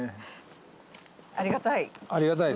ありがたい。